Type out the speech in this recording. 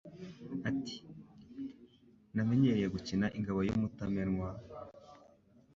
Ati: Namenyereye gukinga ingabo y'umutamenwa,